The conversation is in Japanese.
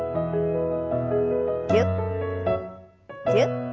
ぎゅっぎゅっ。